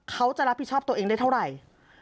เขาจะรับผิดชอบตัวเองได้เท่าไหร่